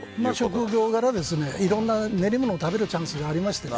職業柄、いろんな練り物を食べるチャンスがありまして。